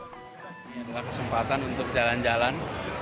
ini adalah kesempatan untuk jalan jalan